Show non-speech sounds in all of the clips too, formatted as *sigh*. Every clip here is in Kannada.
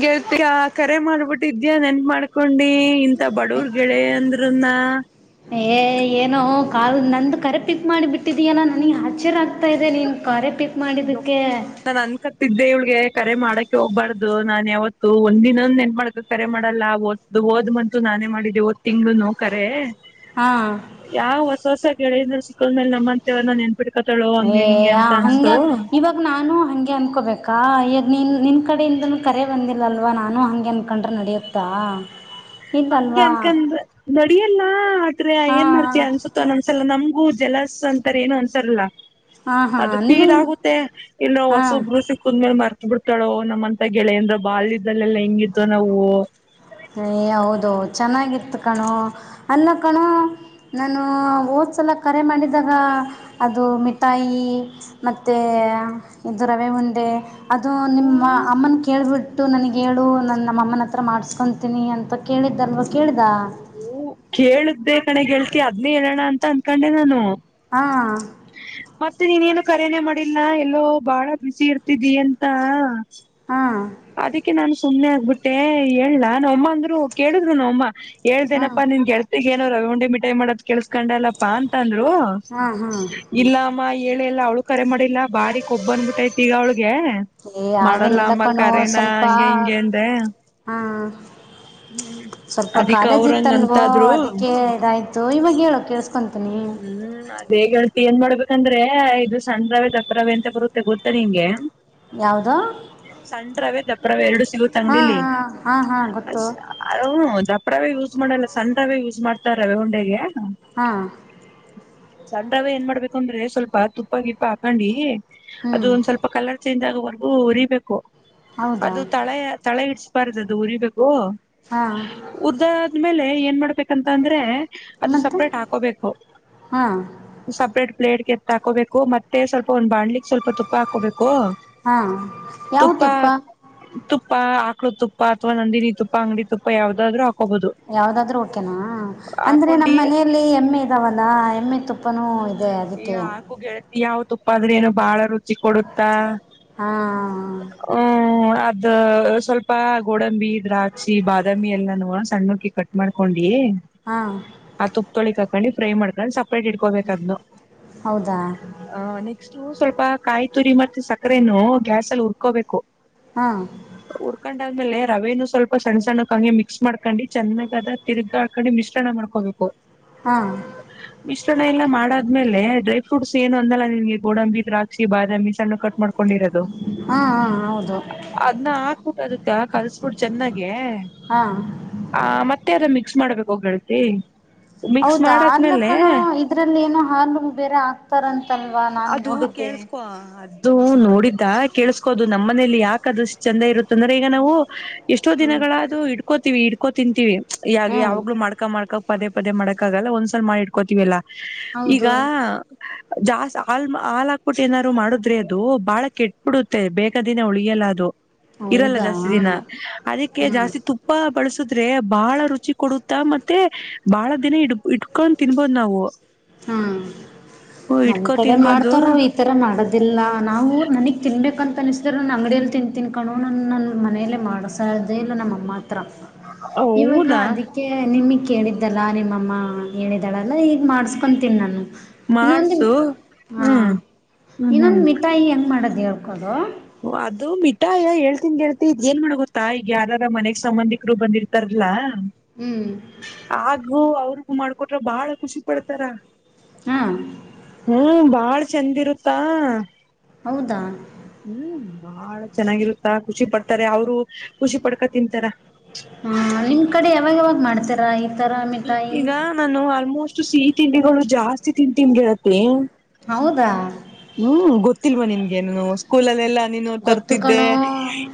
ಗೇಳ್ತಿಯ ಕರೆ ಮಾಡ್ಬಿಟ್ಟಿದ್ಯಾ ನೆನ್ಪ್ ಮಾಡ್ ಕೊಂಡಿ ಇಂತ ಬಡವರ್ ಗೆಳೆಯಂದ್ರುನ್ನ ಏ ಏನೋ ಕಾಲ್ ನಂದು ಕರೆ ಪಿಕ್ ಮಾಡಿಬಟ್ಟಿದ್ಯ ನನಗೆ ಹಚ್ಚರ ಆಯ್ತಾದೆ ನೀನ್ ಕರೆ ಪಿಕ್ ಮಾಡಿದ್ದಕ್ಕೆ ಗೊಪ್ಪ ನಾನ ಅನ್ ಕತ್ತಿದ್ದೆ ಇವಳಿಗೆ ಕರೆ ಮಾಡಕ್ಕೆೆ ಹೋಗ್ಬಾರ್ದು ನಾನನ್ ಯಾವತ್ತು ಒಂದಿನೊಂದ ನೆನ್ ಮಾಡ್ಕ ಕರೆ ಮಾಡಲ್ಲ ಓದು ಓದ್ಂತು ನಾನೇ ಮಾಡಿದ ಒದ್ ತಿಂಗ್ನು ಕರೆ ಹಾ ಯಾವ ಹೊಸ ಹೊಸ ಗೆಳೆಯರ್ ಸಿಕು ಮೇ ನಮ್ಮ ಅಂತೆೇವ ನ ಎ ಬಿಡ್ಕೊತಳೋ ಹಂಗಿಗೆ ಅಂತ ಹ ಅನ್ಸ್ತ ಇವಾಗ ನಾನು ಹಂಗೆ ಅನ್ಕೋಬೇಕು *unintelligible* ಹಂಗೆ ಅನ್ಕಂದ್ರ ನಡಿಯಲ್ಲ ಆದ್ರೆ ಹಾ ಏನ್ ಮಾಡ್ತಿಯ ಹಾ ಅನ್ಸುತ್ತ ಒಂದ್ಸಲ ನಮ್ ಹೂ ಜಲಸ್ ಅಂತಾರ ಏನು ಅಂತಾರಲ್ಲಾ ಹಾ ಹಾ ಅದು ಫೀಲ್ ನಿಮಗ್ ಆಗುತ್ತೆ ಇನ್ನು ಹಾ ವರ್ಸೊಬ್ರು ಸಿಕ್ಕುದ್ಮೇಲ್ ಮಾರ್ಕ *inaudible* ಬಿಡ್ತಾಳೋ ನಮ್ಮಂತ ಗೆಳೆಯ ಅಂದ್ರ ಬಾಲ್ದಲ್ಲೆಲ್ಲಾ ಹೆಂಗಿದೋ ನಾವು ಹೌದು ಚೆನ್ನಾಗಿತ್ತು ಕಣೊ ಅಲ್ಲ ಕಣೊ ನಾನು ಓದ್ಸಲ ಕರೆ ಮಾಡಿದಾಗ ಅದು ಮಿಠಾಯಿ ಮತ್ತ ಇದು ರವೆ ಉಂಡೆ ಅದು ನಿಮ್ಮ ಅಮ್ಮನ ಕೇಳಬಿಟ್ಟು ಇ ನನಗ್ ಹೇಳು ನನ್ನ ನಮ್ಮನ ಹತ್ರ ಮಾಡ್ಸ್ಕೊ *inaudible* ನಿ ಅಂತ ಕೇಳಿದ್ದಲ್ವ ಕೇಳ್ದ ಕೇಳುದ್ದೆ ಕನೆ ಗೆಳತಿ ಅದ್ನೇ ಹೇಳೋಣ ಅಂತ ಅಂದಕೊಂಡೆ ನಾನು ಹಾ ಮತ್ತೆ ನೀನೇನು ಕರೇನೆ ಮಾಡಿಲ್ಲ ಎಲ್ಲೋ ಬಾಳ ಬಿಸಿ ಇರ್ತಿದಿ ಅಂತ ಹಾಂ ಸುಮ್ಮ್ನೆ ಆಗ್ಬಿಟ್ಟೆ ಹಲ್ಲಾ ನಾವಮ್ಮ ಅಂದ್ರು ಕೇಳಿದ್ರು ನಾವಮ್ಮ ಹಾಂ ಹೇಳ್ದೆನಪ್ಪ ನಿಮ್ ಗೆಳತಿ ಈಗ ಏನು ರವಿ ಉಂಡಿ ಮಿಠಾಯಿ ಮಾಡೋದ ಕೆಲ್ಸಗೊಂಡೆಲಪ್ಪ ಅಂತ ಅಂದ್ಲ ಓ ಹಾಂ ಹಾಂ ಇಲ್ಲಾ ಮಾಯ್ ಹೇಳ ಎಲ್ಲ ಅವಳು ಕರೆ ಮಾಡಿಲ್ಲ ಬಾರಿ ಕೊಬ್ಬ ಅನ್ಬಿಟ್ಟೈತಿ ಈಗ ಅವಳಿಗೆ ಏ ಮಾಡಲ್ಲ ಹಾಗೇನಿಲ್ಲ ಮ ಸ್ವಲ್ಪ ಹ ಹ್ಮ್ ಸ್ವಲ್ಪ ಅದಿಕ್ ಕಾಲೇಜ್ ಅವ್ರಂಗ ಇತ್ತನ್ೋ ಅಂತಾದ್ರು ಅದಕ್ಕೆ ಇದಾಯ್ತು ಇವಾಗ ಹೇಳು ಕೇಳಸ್ಕೊ ಹ್ಮ್ ಅದ ಹೇಗ ಏನ್ ಮಾಡ್ಬೇಕಂದ್ರೆ ಇದು ಸಂದ್ರವೆ ದತ್ತವೆ ಅಂತ ಬರುತ್ತೆ ಗೊತ್ತ ನಿಂಗೆ ಯಾವುದೋ ಸಣ್ರವೇ ದಪ್ರವ ಎರಡು ಸಿಗು ಹಾ ಅಂಗಡಿಲಿ ಹಾ ಹಾ ಗೊತ್ತು ದ ಪವೇ ಯೂಸ್ ಮಾಡಲ್ಲ ಸಣ್ಣವೇ ಯೂಸ್ ಮಾಡ್ತಾರ ರವೆೇ ಉಂಡೆಗೆ ಹಾ ಚಂದ್ರವೇ ಏನ್ ಮಾಡ್ಬೇಕು ಅಂದ್ರೆ ಸ್ವಲ್ಪ ತುಪ್ಪ ಗಿಪ್ಪ ಹಾಕಂಡಿ ಅದು ಹ್ಮ್ ಒಂದ್ ಸ್ವಲ್ಪ ಕಲರ್ ಚಿಂದಾಗವರೆಗೂ ಉರಿಬೇಕು ಹೌದಾ ಅದು ತಳೆ ತಳೆ ಇಡ್ *unintelligible* ಅದು ಉರಿಬೇಕು. ಹಾ ಉರ್ದಾದ್ಮೇಲೆ, ಏನ್ ಮಾಡ್ಬೇಕಂತ ಅಂದ್ರೆ, ಅದು ಮತ್ತೆ ಸಪ್ರೇಟ್ ಹಾಕೋಬೇಕು ಹಾ ಸಪ್ರೇಟ್ ಪ್ಲೇಟ್ಗೆ ಎತ್ತ ಹಾಕೋಬೇಕು, ಮತ್ತೆ ಸ್ವಲ್ಪ ಒಂದು ಬಾಣ್ಲಿಗ್ ಸ್ವಲ್ಪ ತುಪ್ಪ ಹಾಕೋಬೇಕು. ಹಾ.. ಯಾವ ತುಪ್ಪ? ತುಪ್ಪ ಆಕೃತುಪ್ಪ ಅಥವಾ ನಂದಿನಿ ತುಪ್ಪ ಅಂಗಡಿ ತುಪ್ಪ ಯಾವ್ದಾದ್ರೂ ಹಾ ಯಾವ್ದಾದ್ರೂ ಓಕೇನಾ? ಅಂದ್ರೆ ಹಾಕೊಂಡಿ ನಮ್ಮ್ ಮನೆಯಲ್ಲಿ ಎಮ್ಮೆ ಇದಾವಲ್ಲ, ಎಮ್ಮೆ ತುಪ್ಪನೂ ಇದೆ ಅದಕ್ಕೆ. ಯಾವ್ ತುಪ್ಪ ಆದ್ರ ಏನು ಬಾಳ ರು ಚಿ ಕೊಡುತ್ತ, ಹಾ ಹ್ಮ ದ ಸ್ವಲ್ಪ ಗೋಡಂಬಿ ದ್ರಾಕ್ಷಿ ಬಾದಾಮಿ ಎಲ್ಲನೂ ಸಣ್ಣಕ್ಕೆ ಕಟ್ ಮಾಡ್ಕೊಂಡು ಇ ಹಾ ಆ ತುಪ್ದೊಳಿಕ್ ಹಾಕೊಂಡಿ ಫ್ರೈ ಮಾಡ್ಕೊಂಡು ಸಪ್ರೇಟ್ ಇಡ್ಕೋಬೇಕು ಅದ್ನು. ಹೌದಾ ಅ ನೆಕ್ಸ್ಟ್ ಸ್ವಲ್ಪ ಕಾಯಿ ತುರಿ ಮತ್ತೆ ಸಕ್ಕರೆೇನು ಗ್ಯಾಸ ಅಲ್ಲಿ ಉುರ್ಕೋಬೇಕು ಹಾ ಾದ್ಮೇಲೆ ರವೆೇನು ಸ್ವಲ್ಪ ಸಣ್ಣ ಸಣ್ಣಕ್ಕೆ ಹಂಗೆ ಮಿಕ್ಸ್ ಮಾಡ್ಕೊಂಡಿ ಚೆನ್ನಾಗದ ತಿರುಗ ಹಾಕೊಂಡು ಮಿಶ್ರಣ ಮಾಡ್ಕೊಬೇಕು ಹಾ ಮಿಶ್ರಣ ಎಲ್ಲ ಮಾಡಾದ್ಮೇಲೆ ಮೇಲೆ, ಡ್ರೈ ಫ್ರೂಟ್ಸ್ ಏನು ಅಂದಲ್ಲ ನಿನ್ಗೆ ಗೋಡಂಬಿ ದ್ರಾಕ್ಷಿ ಬಾದಾಮಿ ಸಣ್ಣಕ್ಕೆ ಕಟ್ ಮಾಡ್ ೊಂಡಿರದು ಹಾ ಹಾ ಹೌದು ಅದ್ನ ಹಾಕ್ಬಿಟ್ಟು ಅದಕ್ಕೆ ಕಲ್ಸ್ಬಿಟ್ಟು ಚೆನ್ನಾಗೆ, ಹಾ ಆ ಮತ್ತೆ ಅದ ಮ ಸ್ ಮಾಡ್ಬೇಕು *unintelligible* ಹೌದಾ ಆರ್ನ ಮಾಡಾದ್ಮೇಲೆ ಕಣ ಇದ್ರಲ್ಲಿ ಏನೋ ಹಾಲು ಬೇರೆ ಆಗ್ತಾರಂತಲ್ವಾ ನಾನ್ ಅದು ನೋಡಿದ್ದೇ. ಕೇಳಿಸ್ಕೋ ಅದು ನಮ್ ಮನೇಲಿ ಯಾಕಾದಷ್ಟ್ ಚಂದ ಇರುತ್ತ ಅಂದ್ರೆ ಈಗ ನಾವು ಎಷ್ಟೋ ಹ್ಮ್ ದಿನಗಳ ಅದು ಇಡ್ಕೋ ಇಡ್ಕೋ ತಿಂತೀವಿ ಯಾಗೆ ಹ್ಮ್ ಯಾವಾಗ್ಲೂ ಮಾಡ್ಕಾ ಮಾಡ್ಕ ಪದೆ ಪದೇ ಮಾಡಕಕ್ಕಾಗಲ್ಲ ಒಂದ್ಸ ಮಾಡಿಟ್ಕೋತೀವೆಲ್ಲ ಈಗ ಹೌದು ಜಾಸ್ ಆಲ್ ಹಾ ಹಾಕ್ಬಿು ಏನಾರರು ಮಾಡುದ್ರಿ ಅದು ಅದು ಬಹಳ ಕೆಟ್ ಬಿಿಡುತ್ತೆ ಜಾಸ್ತಿ ದಿನ ಉಳಿಯಲ್ಲ ಅದು. ಇರಲ್ಲ ಹೌದಾ ಜಾಸ್ತಿ ದಿನ ಅದಕ್ಕೆ ಹ್ಮ್ ಜಾಸ್ತಿ ತುಪ್ಪ ಬಳಸ ಬಹಳ ರುಚಿ ಕೊಡುತ್ತ ಮತ್ತೆ. ಬಾಳ ದಿನ ಇಟ್ಕೊಂಡು ತಿನ್ಬೋದು್ ನಾವು. ಹ್ಮ ನಮ್ಮ್ ಇಟ್ಕೊ ಕಡೆ ತಿನ್ಬೋದು ಮಾಡ್ತಾರ ಈತರ ಮಾಡದಿಲ್ಲ ನಾವು ನನಗ್ ತಿನ್ಬೇಕಂತ. ಅನಿಸಿದ್ರು ನನ್ನ ಅಂಗಡಿಯಲ್ಲಿ ತಿಿಂದಂತನ್ಕೊಂಡು ನನ್ನ ನನ್ನ ಮನೆಯಲ್ಲೇ ಮಾಡ್ಸ್ದೇ ಇಲ್ಲ ನಮ್ಮಅಮ್ಮ ಹತ್ರ. ಇವಾಗ ಹೌದಾ ಅದಕ್ಕೆ ನಿಮ ಕೇಳಿದ್ದಲ್ಲ ನಿಮ್ಮಮ್ಮ ಹೇಳಿದ್ದಾಳೆಲ್ಲ ಈಗ ಮಾಡಿಸ. ಕೊಂತೀಿಾನು ಇನ್ನೊಂದು ಮಾಡ್ಸು ಹ ಹ್ಮ್ ಹ್ಮ್ ಇನ್ನೊಂದು ಹ್ಮ್ ಮಿಠಾಯಿ ಹೆಂಗ್ ಮಾಡದು. ಹೇಳ್ಕೋದು. ಅದು ಮಿಠಾಯ ಹೇಳ್ತಿನಿ ಗೆಳತಿ ಇಗ ಏನ್ ಮಾಡ ಗೊತ್ತಾ ಈಗ ಯಾರಾರ ಮನೆಗ್ ಸಂಬಂಧಿಕರು ಬಂದಿರ್ತಾರಲ್ಲಾ. ಹ್ಮ್ ಹಾಗು ಅವ್ರ. ಉ ಮಾಡ್ಕೊಟ್ರ ಬಾಳ ಖುಷಿ ಪಡ್ತಾರ ಹಾಂ ಹ್ಮ ಬಳ. ಚೆಂದ ಇರುತ್ತಾ. ಹೌದಾ. ಹ್ಮ್ ಬಾಳ ಚೆನ್ನಾಗಿರುತ್ತ ಖುಷಿ ಪಡ್ತಾರೆ ಅವರು ಖುಷಿ ಪಡ್ಕ ತಿಂತಾರ. ಹಾ ನಿಮ್ ಕಡೆ ಯಾವಾಗ ಯಾವಾಗ ಮಾಡ್ತೀರಾ ಈತರ ಮಿಠಾಯಿ. ಈಗ ನಾನು ಆಲ್ಮೋಸ್ಟ್ ಸಿಹಿ ತಿಂಡಿಗಳು ಜಾಸ್ತಿ ತಿಂತಿನಿ ಗೆಳತಿ. ಹೌದಾ ಹ್ಮ್ ಗೊತ್ತಿಲ್ವಾ ನಿನ್ಗೆನು. ಸ್ಕೂಲಲ್ಲಲೆಲ್ಲ. ನೀ ಗೊತ್ತು ತರ್ತಿದ್ದೆ ಕಣೋ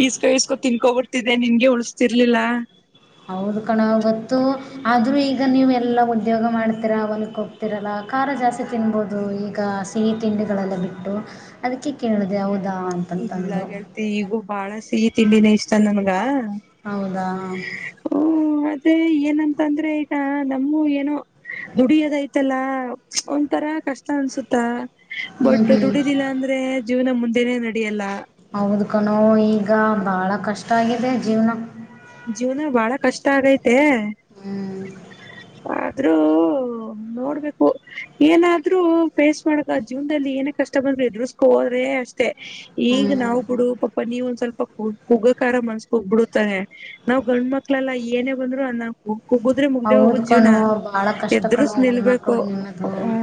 ಇಸ್ಕೋ ಇಸ್ಕೋ ತಿನ್ಕೋಬ ನಿನ್ಗೆ ಉಳಿಸತಿರ್ಲಿಲ್ಲ ಹೌದ ಕಣ ಗೊತ್ತು ಆದ್ರೂ ಈಗ ನೀವು ಎಲ್ಲ ಉದ್ಯೋಗ ಮಾಡ್ತೀರ ಅವನಕ್ ಹೋಗ್ತಿೀರಲ್ಲ ಖಾರ ಜಾಸ್ತಿ ತಿನ್ಬೋದು ಈಗ ಸಿಹಿ ತಿಂಡಿಗಳಲ್ಲ ಬಿಟ್ಟು ಅದಕ್ಕೆ ಕೇಳಿದೆ ಇಲ್ಲ ಅಂತಂತಂದು ೇಳ್ತಿ ಈಗೂ ಬಾಳ ಸಿಹಿ ತಿಂಡಿನೇ ಇಷ್ಟ ನ ಾ ಹೌದಾ ಹ ೆ ಏನಂತ ಅಂದ್ರೆ ಈಗ ನಮು ಏನೋ ದುಡಿಯೋದೈತಲ್ಲ ಒಂಂತರ ಕಷ್ಟ ಅನ್ಸುತ್ತಾ ಹ್ಞೂ ಬಟ್ ಹ್ಞೂ ದುಡಿದಿಲ್ಲ ಅಂದ್ರೆ ಜೀವನ ಮುಂದೆನೇ ನಡೆಯಲ್ಲ ಹೌದು ಕಣೋ ಈಗ ಬಾಳ ಕಷ್ಟ ಆಗಿದೆ ಜೀವ್ನ. ಜೀವ್ನ ಬಳ ಕಷ್ಟ ಆಗೈತ್ ತೆ ಹ್ಞೂ ಆದ್ರೂ ನೋಡ್ಬೇಕು, ಏನೇ ಆದ್ರೂ ಫೇಸ್ ಮಾಡಕ ಜೀವನ್ದಲ್ ಏನೇ ಕಷ್ಟ ಬಂದ್ರು ಎದ್ರ್ಸ್ ಕೋ ಹೋದ್ರೆ ಅಷ್ ತ್ತೆ ಈಗ್ ಹ್ಞೂ ನಾವು ಬುಡು ಪಾಪ ನೀವ್ ಒಂದ್ ಸ್ವಲ್ಪ ಕು ಕುಗ್ಗಕಾರ ಮನ್ಸ್ ಕೋಗ್ಬುಡ್ತಾನೆ. ನಾವ್ ಗಂಡ್ ಮಕ್ಳೆಲ್ಲ ಏನೇ ಬಂದ್ರು ಅನ್ನಕ್ ಓ ಕುಗ್ಗದ್ರೆ ಮುಗ್ದೆ ಹೌದು ಹೋಗುತ್ ಜೀವ್ನ, ಕಣೋ ಭಾಳ ಕಷ್ಟ ಕಣೋ ಎದ್ರುಸ್ ನಿಲ್ಬೇಕು, ಹೆಣ್ಮಕ್ಳಿಗೆ ನಿಮ್ಮದು ಹ್ಮೂ,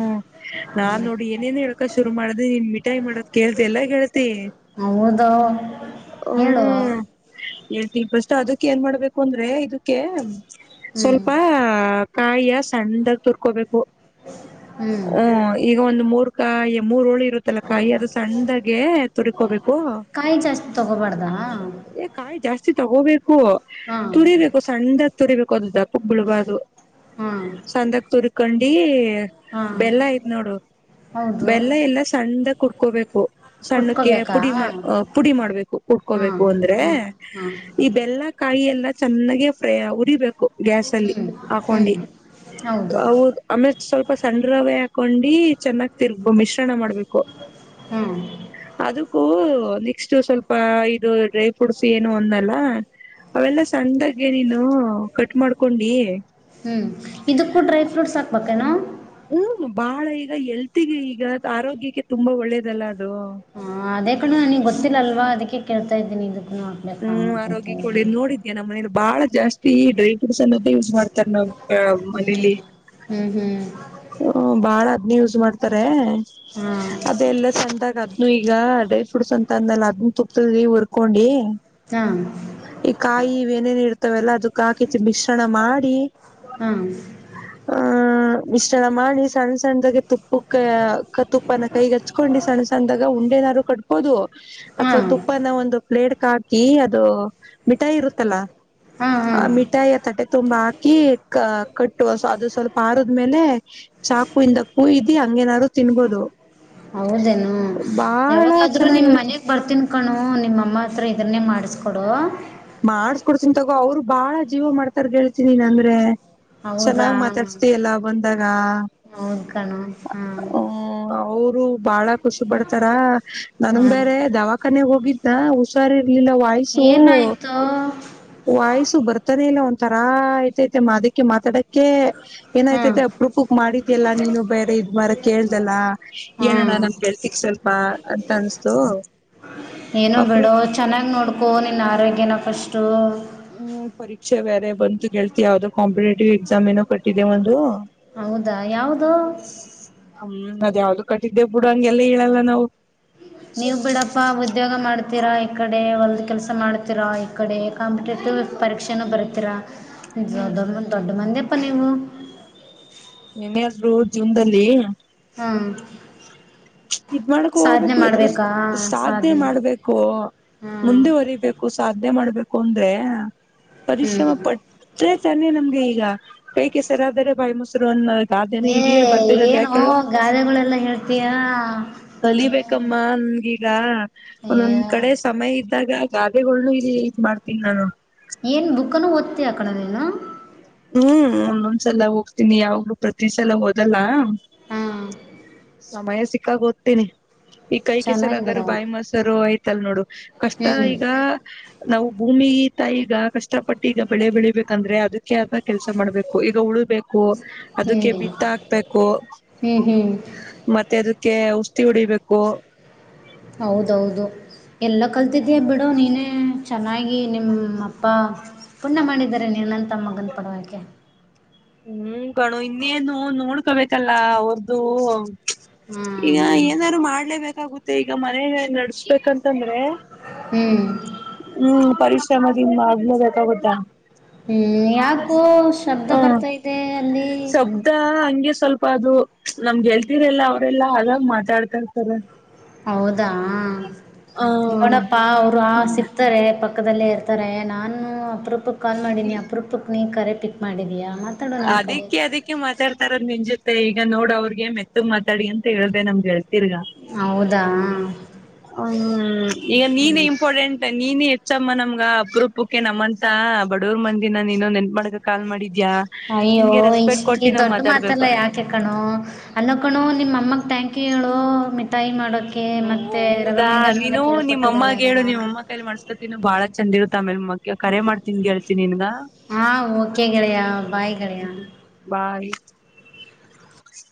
ನಾನ್ ಹ್ಞೂ ನೋಡು ಏನೇನೊ ಹೇಳ್ಕ ಶುರು ಮಾಡ್ದೆ ನೀನ್ ಮಿಠಾಯ್ ಮಾಡದ್ ಕೇಳ್ದೆ ಅಲ್ಲ ಗೆಳತಿ, ಹೌದು ಹೇಳು ಹ್ಮೂ. ಹೇಳ್ತೀಗ್ ಫಷ್ಟ್ ತದಕ್ ಏನ್ ಮಾಡ್ಬೇಕು ಅಂದ್ರೇ ಇದಕ್ಕೇ ಹ್ಞೂ ಸ್ವಲ್ಪಾ ಕಾಯಿಯ ಸಣ್ದಾಗ್ ತುರ್ಕೋಬೇಕ್ ಹ್ಞೂ *unintelligible* ಹೂಂ ಈಗ ಒಂದ್ ಮೂರ್ ಕಾಯ ಮೂರುಳಿ ಇರುತ್ತಲ್ಲ ಕಾಯಿ ಅದು ಸಣ್ದಾಗೆ ತುರಿಕೋಬೇಕು, ಕಾಯಿ ಜಾಸ್ತಿ ತಗೋಬಾರ್ದಾ ಏ ಕಾಯ್ ಜಾಸ್ತಿ ತಗೋಬೇಕ್ ಹೂ ಹಾಂ ತುರೀಬೇಕು ಸಣ್ದಾಗ್ ತುರಿಬೇಕು ಅದು ದಪ್ಪಕ್ ಬೀಳ್ಬಾರ್ದು ಹಾಂ ಸಣ್ದಾಗ್ ತುರಿ ಕಂಡೀ ಹಾಂ ಬೆಲ್ಲ ಅಯ್ತ್ ನೋಡು ಹೌದು ಬೆಲ್ಲ ಎಲ್ಲ ಸಣ್ದಾಗ್ *unintelligible* ಒ ಸಣ್ಣಕ್ಕೆ ಕುಟ್ಕೋಬೇಕಾ ಪುಡಿ ಮಾಡ್ ಹಾಂ ಅ ಪುಡಿ ಮಾಡ್ಬೇಕು ಹಾಂ ಕುಟ್ಕೋಬೇಕು ಅಂದ್ರೆ ಹಾಂ ಹಾಂ ಇದ್ ಕಾಯೆಲ್ಲ ಚೆನ್ನಾಗೆ ಫ್ರೈ ಅ ಉರಿಬೇಕು. ಗ್ಯಾಸಲ್ಲಿ ಹ್ಞೂ ಹಾಕೊಂಡಿ ಹ್ಞೂ ಹೌದು ಹೌದ್ ಆಮೇಲ್ ಸ್ವಲ್ಪ ಸಣ್ ರವೆ ಹಾಕ್ ಕೊಂಡಿ ಚೆನ್ನಾಗ್ ತಿರ್ಗ್ ಬ ಮಿಶ್ರಣ ಮಾಡ್ಬೇಕು ಹ್ಞೂ ಅದುಕ್ಕೂ ನೆಕ್ಸ್ಟ್ ಸ್ವಲ್ ಪ ಇದು ಡ್ರೈ ಫ್ರೂಟ್ಸ್ ಏನು ಅಂದ್ನಲ್ಲ ಅವೆಲ್ಲ ಸಣ್ದಾಗೆ ನೀನು ಕಟ್ ಮಾಡ್ಕೊಂಡಿ ಹ್ಮ್ ಇದುಕ್ಕೂ ಡ್ರೈ ಫ್ರೂಟ್ಸ್ ಹಾಕ್ಬೇಕೇನು? ಹ್ಮ್ ಬಾಳ ಈಗ ಹೆಲ್ತಿಗೆ ಈಗ ಆರೋಗ್ಯಕ್ಕೆ ತುಂಬಾ ಒಳ್ಳೇದಲ್ಲ ಅದ್ ಹಾಂ ಅದೇ ಕಣೋ ನಿಂಗ್ ಗೊತ್ತಿಲ್ಲಲ್ವಾ ಅದಿಕ್ಕೆ ಕೇಳ್ತ ಇದ್ದೀನಿದು. ಹ್ಮ್ ಆರೋಗ್ಯಕೊಳ್ಳೆ ನೋಡಿದ್ಯಾ ನಮ್ ಮನೇಲು ಬಾಳ ಜಾಸ್ತಿ ಈ ಡ್ರೈಫ್ರೂಟ್ಸ್ ಅನ್ನೋದು ಯೂಸ್ ಮಾಡ್ ತನ್ನು ಅ ಮಡಿಲಿ ಹ್ಞೂ ಹ್ಞೂ ಹ್ಞೂ ಹ ಬಾಳ ಅದನಿ ಯೂಸ್ ಮಾಡ್ತಾರೆ ಹಾಂ ಅದೆೇಲ್ಲ ಚಂದಾಗ ಆದ್ನು ಈಗ ಅದೇ ಫುಡ್ಸ್ಂತ ಅಂದಲ್ಲ ಅದನ್ನ ತುಪ್ತಿ ಉರ್ಕೊಂಡಿ ಹಾಂ ಈ ಕಾಯಿ ಏನೇನು ಇರ್ತವೆಲ್ಲ ಅದಕ್ಕ ಹಾಕಿ ಮಿಶ್ರಣ ಮಾಡಿ ಹಾಂ ಆ ಇಷ್ಟೆಲ್ಲ ಮಾಡಿ ಸಣ್ಣ ಸಣ್ಣದಾಗ ತುಪ್ಪ ತುಪ್ಪನ ಕೈಗೆ ಹಚ್ಕೊಂಡಿ ಸಣ್ಣ ಸಣ್ಣದಾಗ ಉಂಡೆನಾರು ಕಟ್ಬೋದು ಹಾಂ ಅಥವಾ ಹಾಂ ತುಪ್ಪನ ಒಂದು ಪ್ಲೇಟ್ ಹಾಕಿ ಅದು ಮಿಠಾಯಿ ಇರುತ್ತಲ್ಲ ಹಾಂ ಆ ಹಾಂ ಮಿಠಾಯಿಯ ತಟ್ಟೆ ತುಂಬಾ ಹಾಕಿ ಅ ಕಟ್ಟುವ ಅದು ಸ್ವಲ್ಪ ಆಾರ ಆೇಲೆ ಚಾಕು ಇಿಂದ ಕೂ್ದಿ ಹಂಗೇನಾದ್ರು ತಿನ್ಬೋದು ಹೌದೇನು ಬಾಳ ಯಾವಾಗಾದ್ರೂ ನಿಮ್ ಚೆನ್ನಾಗಿರುತ್ತೆ ಮನಯಗ್ ಬರ್ತನ್ ಕಕ್ಕೊಂಡು ನಿಮ್ಮಮ್ಮ ಹತ್ರ ಇದನ್ನೇ ಮಾಡಿಸ್ಕೊಡು ಮಾಡಸ್ಕೊಡ್ತನ್ ತಗೋ ಅವ್ರು ಬಾಳ ಜೀವ ಮಾಡ್ತಾರ್ ಹೇಳ್ತೀನಿನ್ ಅಂದ್ರೆ ಹೌದಾ ಚೆನ್ನಾಗ್ ಮಾತಾಡ್ಸ್ತಿಯಲ್ಲ ಬಂದಾಗ ಹೌದು ಕಣೋ ಹಾಂ ಹ ಬಾಳ ಖುಷಿಪಡ್ತಾರ ನನ್ಂಗ ಹಾಂ ಬೇರೆ ದವಾಖಾನೆ ಹೋಗಿದ ಹಾ ಹುಷಾರ ಇಲ್ಲಿಲ್ಲ ವಾಯ್ಸು ಏನಾಯಿತು ವಾಯ್ಸು ಬರ್ತಾನೆ ಇಲ್ಲ ಒಂಥರಾ ಆಯ್ತಯ್ತ ಮಾ ಅದಕ್ಕೆ ಮಾತ್ರ ತಡಕ್ಕೆ ಹಾಂ ಏನಾಯ್ತತೆ ಅಪ್ರಕ್ಕೂಕ್ ಮಾಡಿದ್ಯಲ್ಲಾ ನೀನು ಬೇರೆ ಇದ್ ಮಾರ ಕೇಳ್ದಲ್ಲ ಏನೋ ಹಾಂ ನಮ್ ಗೆಳ್ತಿಕ್ ಸ್ವಲ್ಪ ಅಂತ ಅನ್ಸ್ತು ಅಪೃಪ್ ನನ್ನ ಆರೋಗ್ಯನ ಫಸ್ಟು ಹ್ಮ್ ಪರೀಕ್ಷೆ ಬ್ಯಾರೆ ಬಂತು ಕೇಳ್ತಿ ಯಾವ್ದೋ ಕಾಂಪಿಟೇಟಿವ್ ಎಕ್ಸಾಮ್ ಏನೋ ಕಟ್ಟಿದೆ ಒಂದು ಹೌದಾ ಯಾಾವದು ಹ್ಮ್ ಅದ್ ಯಾವ್ದು ಕಟ್ಟಿದ್ದೆ ಬಿಡು ಹಂಗೆಲ್ಲ ಹೇಳಲ್ಲ ನಾವು ನೀವ್ ಬಿಡಪ್ಪಾ ಉದ್ಯೋಗ ಮಾಡ್ ಮಾಡತೀರಾ ಈ ಕಡೆ ಒಲ್ದ ಕೆಲ್ಸ ಮಾಡ್ತೀರಾ ಈ ಕಡೆ ಕಾಂಪಿಟೇಟಿವ್ ಪರೀಕ್ಷೆನ ಬರ್ತೀರಾ ಹ್ಮ್ ಜದ ದೊಡ್ಡ ಮಂದ ಪ್ಪ ನೀವು ಏನಾದ್ರು ಜೀವಿನ್ದಲ್ಲಿ ಹ್ಮ ಇದ್ ಮಾಡಕ ಹೋಗ್ಬೇಕು ಎದರು ಮಾಡ್ಬೇಕಾ ಸಾಧನೆ ಮಾಡ್ಬೇಕು ಹ್ಮ್ ಮುಂದೆುವರಿಬೇಕು ಸಾಧನೆ ಮಾಡ್ಬೇಕು ಕೊಂದೇ ಹ್ಮ್ ಪರಿಶ್ರಮ ಪಟ್ಟ್ರೆ ತಾನೇ ನಮ್ಗೆ ಈಗ ಕೈ ಕೆಸರಾದರೆ ಬಾಯಿ ಮೊಸೂರು ಅನ್ ಏ ಏನೋ ಗಾದೆಗಳೆಲ್ಲಾ ಹೇಳ್ ತೀಯಾ ಕಲಿಬೇಕಮ್ಮ ನನ್ಗೀಗ ಒಂದೊಂದ್ ಅಯ್ಯೋ ಕಡೆ ಸಮಯ ಇವಾಗ ಗಾದೆಗಳ್ ಇ ಇ ಮಾಡ್ತೀನಿ ನಾನು ಏನು ಬುಕ್ನು ಓದ್ತಿಯ ಕಣೋ ನೀನು ಹ್ಮ್ ಒಂದೊಂದ್ಸಲ ಹೋಗ್ತೀನಿ ಯಾವ್ರು ಪ್ರತಿ ಸಲ ಒದಲ್ಲ ಹಾ ಸಮಯ ಸಿಕ್ಕಾಗ ಓದ್ತೀನಿ ಈ ಕೈ ಕೆಸರ ಚೆನ್ನಾಗಿ ಅದಾರರು ಬಿಡವ ಬಾಯಿ ಮೊಸರು ಯ್ತ ತಲ್ ನೋಡು ಕಷ್ಟ ಹ್ಮ್ ಈಗ ನಾವುಬುಕ್ ಉಮ್ಮಿ ತಾಯಿಗ ಕಷ್ಟಪಟ್ಟು ಈಗ ಬೆಳೆ ಬೆಳಿಬೇಕಂದ್ರೆ ಅದಕ್ಕೆ ಆದ ಕೆಲ್ಸ ಮಾಡ್ಬೇಕು ಈಗ ಉಳಬೇಕು ಕೊ ಹ್ಮ್ ಅದಕ್ಕೆ ಬಿತ್ತ ಹಾಕ್ಬೇಕು ಹ್ಮ್ ಹ್ಮ್ ಮತ್ತೆ ಅದು ಕೆ ಔಷದಿ ಹೊಡಿಬೇಕು ಹೌದೌದು ಎಲ್ಲ ಕಲ್ತಿದಯ ಬಿಡು ನೀನೇ ಚೆನ್ನಾಗಿ ನಿಮ್ಮ ಅಪ್ಪ ಪುಣ್ಯ ಮಾಡಿದಿದ್ದಾರೆ ನೀನಂತ ಮಗನ್ ಪಡೆಯುವಿಕೆ ಹ್ಮ್ ಕಣ್ಣೋ ಇನ್ನೇನು ನೋಡ್ಕೊಬೇಕಲ್ಲ ಅವೃದು ಈಗ ಹ್ಮ್ ಏನಾದ್ರು ಮಾಡ್ಲೇಬೇಕಾಗುತ್ತೆ ಮತ್ತೆ ಈಗ ಮನೆ ನಡೆಸಬೇಕು ಯಂತಂದ್ರೆ ಹ್ಮ್ ಹ್ಮ್ ಹ್ಮ್ ಪರಿಶ್ರಮ ದಿನ ಮಾಡ್ಲೆ ಗೋತಾ ಹ್ಮ್ ಯಾಕು ಶಬ್ದ ಹ್ಮ ಬರತ್ತಾ ಇದ್ ದೇ ಶಬ್ದ ಹಂಗೆ ಸ್ವಲ್ಪ ಅದು ನಮ ಹೆಳತಿರೆಲ್ಲ ಅವರ ಅಲ್ಲಾ ಆಗಾಗ್ ಮಾತಾಡ್ತಾ ಇರ್ತಾರೆ ಹೌದಾ ಆ ನೋಣಪ್ಪಾ ಅವರು ಆ ಸಿಗ್ತಾರೆ ಪಕ್ಕ ಪಕ್ಕದಲ್ಲೇ ಇರ್ತಾರೆ ನಾನು ಅಪರೂಪ ಕಾಲ್ ಮಾಡೀನಿ ಇಲ್ ಅಪುರುಪುಕ್ ನಿಂಗ್ ಕರೆ ಪಿಕ್ ಮಾಡಿದಯಾ ಅದಿಕ್ಕೆ ಅದಿಕ್ಕೆ ಮಾತಾಡ್ತಾರದ್ ನಿನ್ ಜೊತೆ ಇಗ ಈಗ ನೋಡ್ ಅವ್ರಿಗ ಮ ಎತ್ತತ್ ಮಾತಾಡಿ ಅಂತ ಹೇಳ್ದ ನಮ್ಗೆ ಹೇಳ ಹೌದಾ ಹ್ಮ್ ಈಗ ನೀನ್ ಇಂಪಾರ್ಟೆಂಟ್ ನೀನೆ ಹೆಚ್ಚಮ್ಮ ನಮ್ಗ ಅಪರೂಪಕ್ಕೆ ನಮ್ಮಂತ ಬಡವರ್ ಮಂದಿನ ನೀನು ನೆನಪ ಮಾಡಕ ಕಾಲ ಮಾಡಿದ್ದ ಅಯ್ಯೋ ಇ ಈ ದೊಡ್ಡ ಮಾತಲ್ಲ ಮಾತಾಡ್ಬೇಕು ಯಾಕೆ ಕಣೋ ಅನ್ನೋ ಕಣೊ ನಿಮ ಅಮ್ಮ ಥ್ಯಾಂಕ್ ಕೇಳು ಮಿಠಾಯಿ ಮಾಡದು ಹ ಹೌದಾ ನೀನು ನಿಮ್ಮಮ್ಮಗ ಹೇಳ್ಕೊಟ್ಟಿದ್ದಾಳಲ್ಲ ಹೇಳು ನಿಮ್ಮಮ್ಮ ಕೈಲಿ ಮಾಡಸ್ಕೊತಿನ ಬಾಳ ಚಂಡಗ ತ್ತಮೇಲೆ ಕರೆ ಮಾಡ್ತೀನಿ ನಿನ್ಗ ಹಾಂ ಓಕೆ ಗೆಳೆಯ ಬಾಯ್ ಗೆಳೆಯ ಬಾಯ್ *inaudible*